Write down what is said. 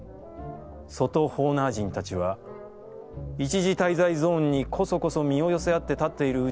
外ホーナー人たちは、一時滞在ゾーンにこそこそ身を寄せあって立っている内